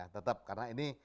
tetap karena ini